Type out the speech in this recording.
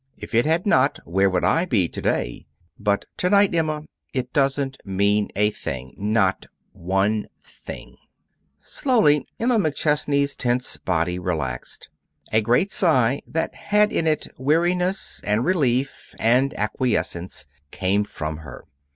If it had not, where would I be to day? But to night, Emma, it doesn't mean a thing. Not one thing." Slowly Emma McChesney's tense body relaxed. A great sigh that had in it weariness and relief and acquiescence came from her.